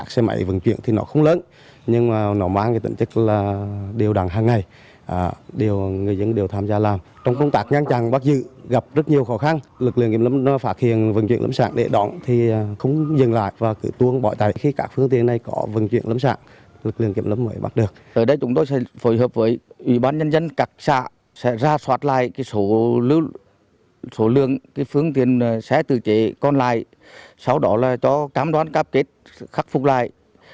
số lượng phương tiện xe từ chế còn lại sau đó là cho cám đoán cáp kết khắc phục lại